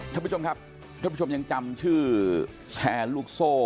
ท่านผู้ชมครับท่านผู้ชมยังจำชื่อแชร์ลูกโซ่